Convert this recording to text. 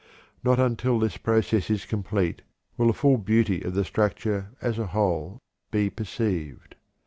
Not until this process is complete will the full beauty of the structure as a whole be perceived.